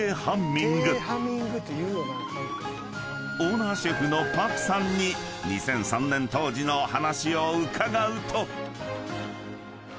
［オーナーシェフのパクさんに２００３年当時の話を伺うと］